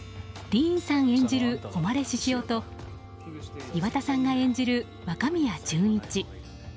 ディーンさん演じる誉獅子雄と岩田さんが演じる若宮潤一。